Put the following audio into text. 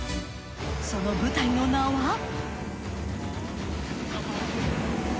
その部隊の名は。